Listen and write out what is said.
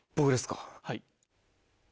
はい。